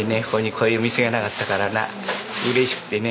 こういう店がなかったからな嬉しくてね。